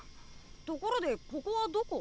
ところでここはどこ？